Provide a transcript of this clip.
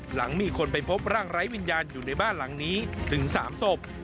หลังมีคนไปพบร่างไร้วิญญาณอยู่ในบ้านหลังนี้ถึง๓ศพ